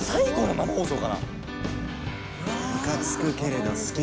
「ムカつくけれどスキ！」。